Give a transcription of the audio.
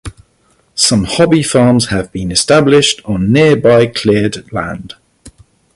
Some hobby farms have been established on nearby cleared land.